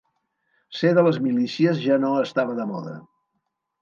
Ser de les milícies ja no estava de moda